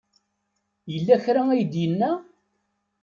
Yella kra ay d-yenna?